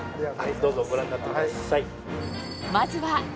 どうぞご覧になってください。